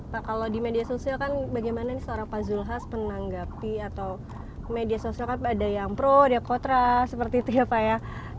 pak kalau di media sosial kan bagaimana nih seorang pak zulhas menanggapi atau media sosial kan ada yang pro ada yang kontra seperti itu ya pak ya